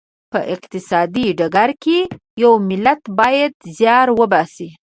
په اقتصادي ډګر کې یو ملت باید زیار وباسي.